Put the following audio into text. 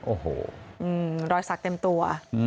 โอ้โหรอยสักเต็มตัว